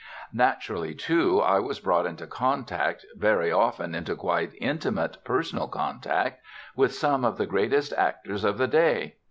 Naturally, too, I was brought into contact, very often into quite intimate personal contact, with some of the greatest actors of the day.